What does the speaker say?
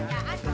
nggak usah nyari